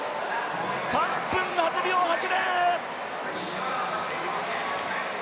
３分８秒８０！